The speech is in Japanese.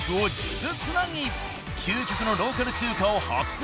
究極のローカル中華を発掘。